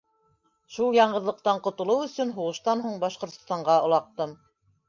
Шул яңғыҙлыҡтан ҡотолоу өсөн һуғыштан һуң Башҡортостанға олаҡтым.